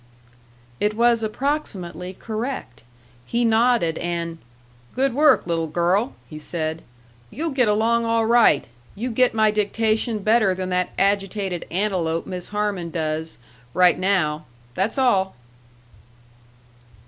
It was approximately correct. He nodded, and, "Good work, little girl," he said. "You'll get along all right. You get my dictation better than that agitated antelope Miss Harman does, right now. That's all."